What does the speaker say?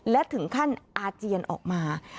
และถึงขั้นอาเจียนออกมา